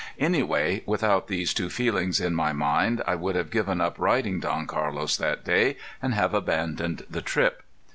Anyway, without these two feelings in my mind I would have given up riding Don Carlos that day, and have abandoned the trip.